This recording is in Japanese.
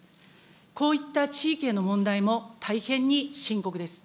こういった地域への問題も大変に深刻です。